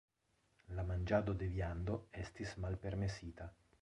La manĝado de viando estis malpermesita.